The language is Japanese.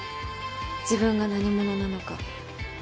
自分が何者なのか